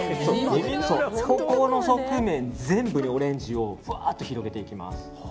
側面全部にオレンジをふわーっと広げていきます。